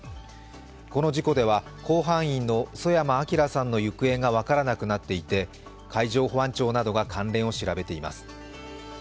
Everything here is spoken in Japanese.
この事故では甲板員の曽山聖さんの行方が分からなくなっていて海上保安庁などが関連を調べています。